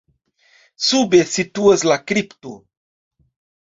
Sube situas la kripto.